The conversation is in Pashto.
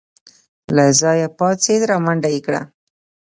له ځايه پاڅېد رامنډه يې کړه.